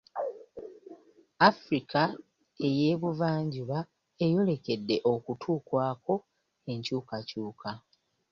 Africa ey'Ebuvanjuba eyolekedde okutuukwako enkyukakyuka.